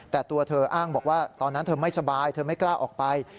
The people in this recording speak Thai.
แต่ตัวเธออ้างบอกว่าตอนนั้นเธอไม่สบายเธอไม่กล้าออกไป